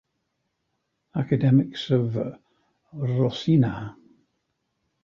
Academics of Rocinha.